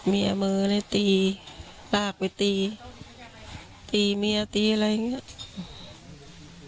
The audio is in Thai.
เมียมือเลยตีลากไปตีตีเมียตีอะไรอย่างนี้